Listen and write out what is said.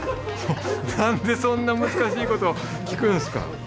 何でそんな難しいこと聞くんですか。